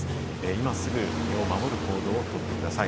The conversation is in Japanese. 今すぐ身を守る行動をとってください。